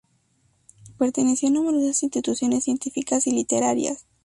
Perteneció a numerosas instituciones científicas y literarias.